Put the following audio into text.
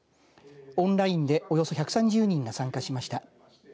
オンラインでおよそ１３０人が参加しました。